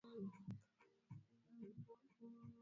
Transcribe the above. na kujadili namna ya kuongeza wanajeshi zaidi wa kulinda amani